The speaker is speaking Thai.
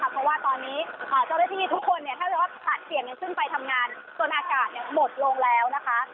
เพราะว่าตอนนี้เจ้าหน้าที่ทุกคนเนี้ยถ้าเวลาขัดเตียงยังขึ้นไปทำงานต้นอากาศเนี้ยหมดลงแล้วนะคะ